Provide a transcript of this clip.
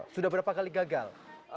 sudah berapa kali gagal